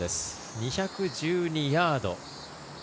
２１２ヤード。